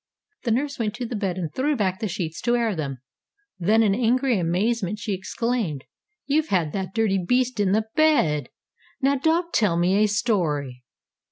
The nurse went to the bed and threw back the sheets to air them. Then, in angry amazement, she exclaimed: "You've had that dirty beast in the bed! Now don't tell me a story."